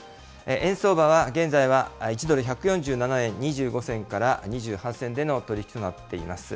円相場は現在は１ドル１４７円２５銭から２８銭での取り引きとなっています。